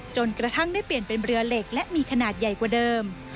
จนกระทั่งได้เปลี่ยนเป็นเรือเหล็กและมีขนาดใหญ่กว่าเดิม